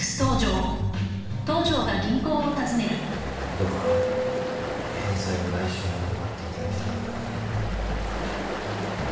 どうか返済を来週まで待っていただきたく。